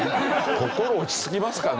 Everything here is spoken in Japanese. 心落ち着きますかね？